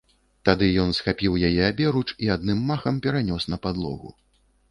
Тады ён схапіў яе аберуч і адным махам перанёс на падлогу.